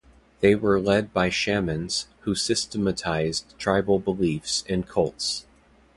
They were led by shamans, who systematised tribal beliefs and cults.